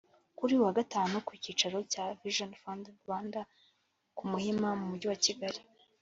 Kuri uyu wa Gatanu ku cyicaro cya Vision Fund Rwanda ku Muhima mu Mujyi wa Kigali